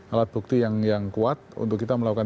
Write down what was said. alat bukti yang kuat untuk kita melakukan